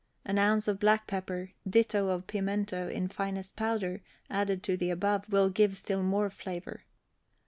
An ounce of black pepper, ditto of pimento in finest powder, added to the above, will give still more flavor.